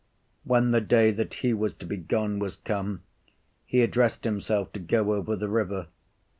When the day that he was to be gone was come, he addressed himself to go over the river.